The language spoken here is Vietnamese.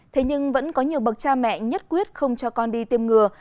thế nhưng vẫn có nhiều bậc cha mẹ nhất quyết không cho con đi tiêm ngừa